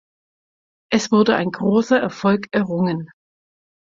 Es wurde ein großer Erfolg errungen.